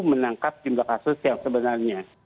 menangkap jumlah kasus yang sebenarnya